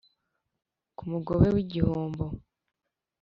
Ku mugobe w'igihombo